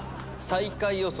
最下位予想